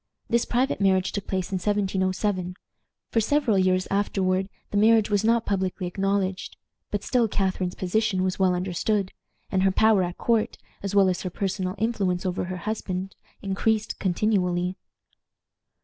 This private marriage took place in 1707. For several years afterward the marriage was not publicly acknowledged; but still Catharine's position was well understood, and her power at court, as well as her personal influence over her husband, increased continually.